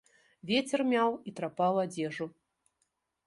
Вецер мяў і трапаў адзежу.